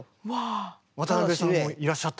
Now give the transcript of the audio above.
渡辺さんもいらっしゃった。